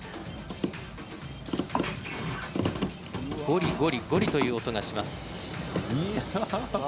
ゴリゴリゴリという音がします。